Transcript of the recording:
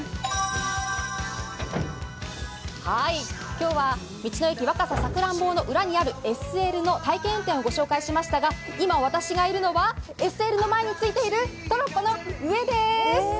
今日は道の駅若桜桜ん坊の裏にあるＳＬの体験運転をご紹介しましたが、今、私がいるのはＳＬの前についているトロッコの上です。